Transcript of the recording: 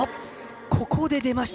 ここで出ました